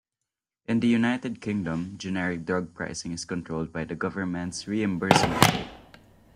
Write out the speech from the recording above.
In the United Kingdom, generic drug pricing is controlled by the government's reimbursement rate.